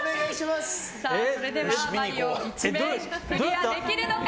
それでは「マリオ」１面クリアできるのか。